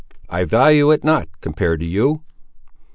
"I value it not, compared to you."